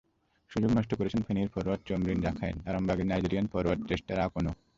সুযোগ নষ্ট করেছেন ফেনীর ফরোয়ার্ড চৌম্রিন রাখাইন, আরামবাগের নাইজেরিয়ান ফরোয়ার্ড কেস্টার আকনও।